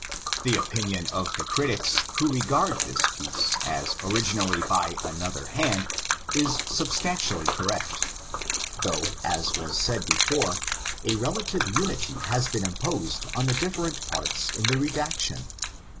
The opinion of the critics who regard this piece as originally by another hand is substantially correct; though, as was said before, a relative unity has been imposed on the different parts in the redaction.